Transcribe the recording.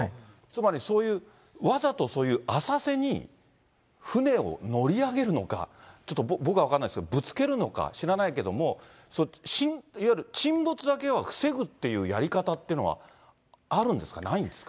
つまりそういう、わざとそういう浅瀬に船を乗り上げるのか、ちょっと僕は分かんないですけど、ぶつけるのか知らないけども、いわゆる沈没だけは防ぐっていうやり方っていうのはあるんですか